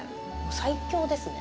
最強ですね。